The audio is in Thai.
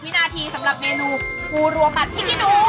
สำหรับเมนูกูรวมผัดพริกขี้หนู